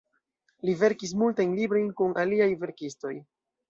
Li verkis multajn librojn kun aliaj verkistoj.